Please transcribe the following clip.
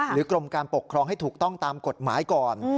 กรมการปกครองให้ถูกต้องตามกฎหมายก่อน